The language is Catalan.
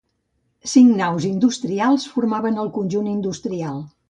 Cinc naus industrials formaven el conjunt industrial.